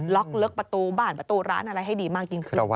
ล็อกลึกประตูบ้านประตูร้านอะไรให้ดีมากยิ่งขึ้น